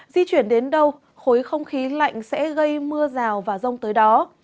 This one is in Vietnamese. di chuyển đến đâu khối không khí lạnh sẽ gây mưa rào và rông tới đó